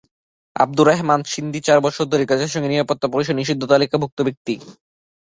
আবদুর রেহমান সিন্ধি চার বছর ধরে জাতিসংঘের নিরাপত্তা পরিষদের নিষিদ্ধ তালিকাভুক্ত ব্যক্তি।